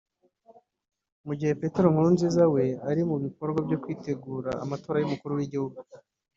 mu gihe Petero Nkurunziza we ari mu bikorwa byo kwitegura amatora y’umukuru w’igihugu